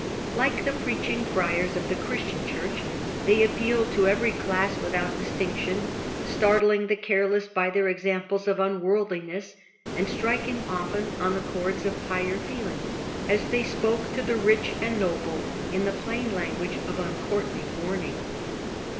Like the preaching friars of the Christian church, they appealed to every class without distinction, startling the careless by their examples of unworldliness, and striking often on the chords of higher feeling, as they spoke to the rich and noble in the plain language of uncourtly warning.